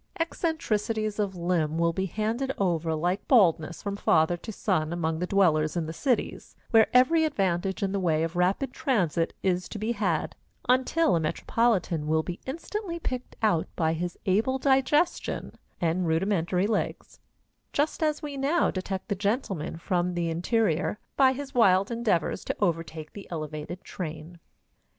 Eccentricities of limb will be handed over like baldness from father to son among the dwellers in the cities, where every advantage in the way of rapid transit is to be had, until a metropolitan will be instantly picked out by his able digestion and rudimentary legs, just as we now detect the gentleman from the interior by his wild endeavors to overtake an elevated train.